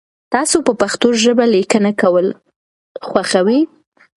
تاسو په پښتو ژبه لیکنه کول خوښوئ؟